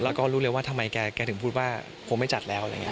แล้วก็รู้เลยว่าทำไมแกถึงพูดว่าคงไม่จัดแล้วอะไรอย่างนี้